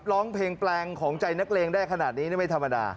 ร้องเพลงแปลงของใจนักเลงได้ขนาดนี้ไม่ธรรมดา